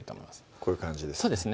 こういう感じですね